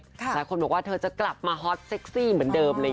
หลายคนบอกว่าเธอจะกลับมาฮอตเซ็กซี่เหมือนเดิมเลย